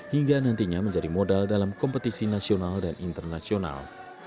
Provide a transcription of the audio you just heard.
hingga nantinya menjadi modal dalam kompetisi nasional dan internasional